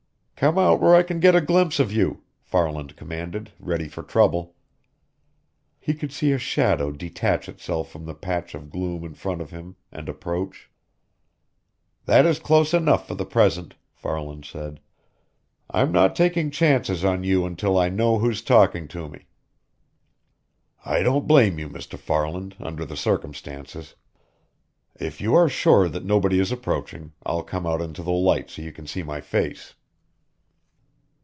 "Come out where I can get a glimpse of you," Farland commanded, ready for trouble. He could see a shadow detach itself from the patch of gloom in front of him and approach. "That is close enough for the present!" Farland said. "I'm not taking chances on you until I know who's talking to me." "I don't blame you, Mr. Farland, under the circumstances. If you are sure there is nobody approaching, I'll come out into the light so you can see my face."